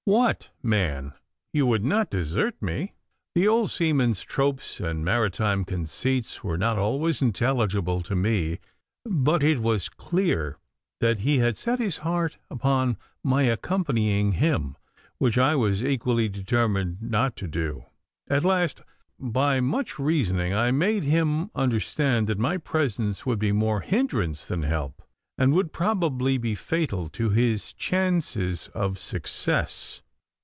What, man, you would not desert me!' The old seaman's tropes and maritime conceits were not always intelligible to me, but it was clear that he had set his heart upon my accompanying him, which I was equally determined not to do. At last by much reasoning I made him understand that my presence would be more hindrance than help, and would probably be fatal to his chances of success.